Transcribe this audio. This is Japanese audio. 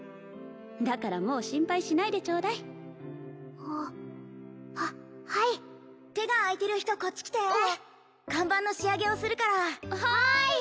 だからもう心配しないでちょうだいあっははい手が空いてる人こっち来て看板の仕上げをするからはーい！